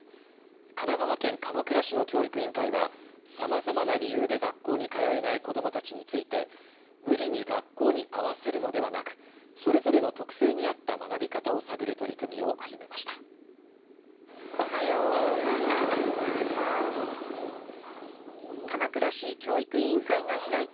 神奈川県鎌倉市の教育委員会はさまざまな理由で学校に通えない子どもたちについて無理に学校に合わせるのではなくそれぞれの特性に合った学び方を探る取り組みを始めました。